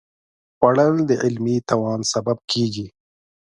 خوړل د علمي توان سبب کېږي